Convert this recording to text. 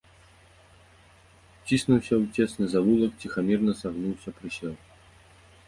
Уціснуўся ў цесны завулак, ціхамірна сагнуўся, прысеў.